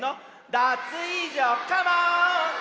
ダツイージョカモン！